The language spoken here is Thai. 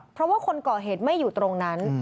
เพราะว่าคนก่อเหตุไม่อยู่ตรงนั้น